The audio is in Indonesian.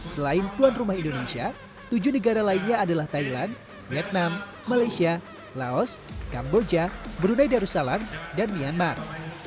selain tuan rumah indonesia tujuh negara lainnya adalah thailand vietnam malaysia laos kamboja brunei darussalam dan myanmar